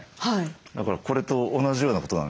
だからこれと同じようなことなんですよね。